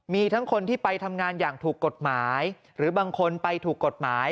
มีทั้งคนที่ไปทำงานอย่างถูกกฎหมายหรือบางคนไปถูกกฎหมาย